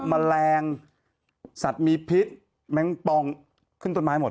แมลงสัตว์มีพิษแมงปองขึ้นต้นไม้หมด